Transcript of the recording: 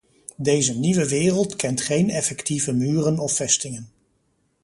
Deze nieuwe wereld kent geen effectieve muren of vestingen.